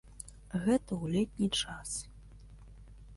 Гэта ў летні час.